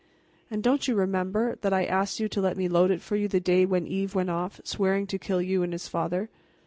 "And don't you remember that I asked you to let me load it for you the day when Yves went off, swearing to kill you and his father?"